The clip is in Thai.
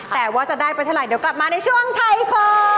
แต่ว่าจะได้ไปเท่าไหร่เดี๋ยวกลับมาในช่วงไทยของ